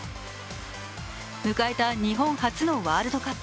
迎えた日本初のワールドカップ。